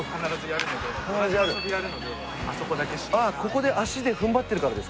あっここで足で踏ん張ってるからですか？